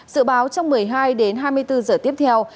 sự báo trong một mươi hai h đến hai mươi bốn h tiếp theo